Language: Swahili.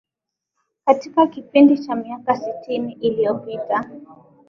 katika kipindi cha miaka sitini iliyopita